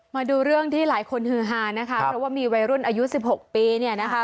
มาดูเรื่องที่หลายคนฮือฮานะคะเพราะว่ามีวัยรุ่นอายุสิบหกปีเนี่ยนะคะ